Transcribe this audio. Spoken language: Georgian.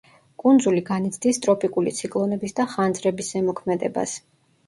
კუნძული განიცდის ტროპიკული ციკლონების და ხანძრების ზემოქმედებას.